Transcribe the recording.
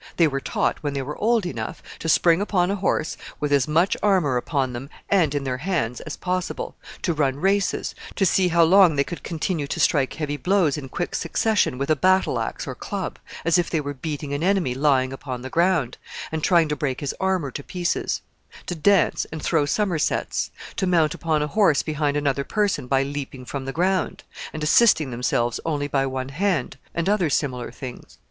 They were taught, when they were old enough, to spring upon a horse with as much armor upon them and in their hands as possible; to run races; to see how long they could continue to strike heavy blows in quick succession with a battle axe or club, as if they were beating an enemy lying upon the ground, and trying to break his armor to pieces; to dance and throw summersets; to mount upon a horse behind another person by leaping from the ground, and assisting themselves only by one hand, and other similar things.